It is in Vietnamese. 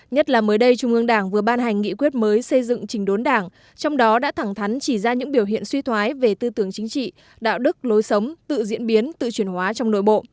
nhất là mới đây trung ương đảng vừa ban hành nghị quyết mới xây dựng trình đốn đảng trong đó đã thẳng thắn chỉ ra những biểu hiện suy thoái về tư tưởng chính trị đạo đức lối sống tự diễn biến tự chuyển hóa trong nội bộ